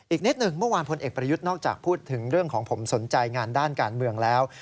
อีกนิดหนึ่งเมื่อวานพลเอกประยุทธ์นอกจากพูดถึงเรื่องของผมสนใจงานด้านการเมืองแล้ว